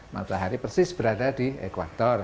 matahari persis berada di ekwator